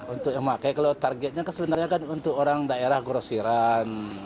untuk yang pakai kalau targetnya sebenarnya kan untuk orang daerah grosiran